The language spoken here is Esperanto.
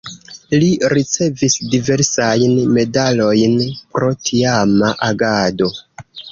Li ricevis diversajn medalojn pro tiama agado.